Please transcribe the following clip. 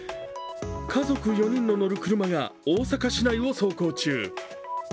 家族４人の乗る車が大阪市内を走行中。